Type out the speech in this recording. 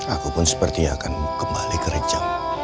aku pun seperti akan kembali kerja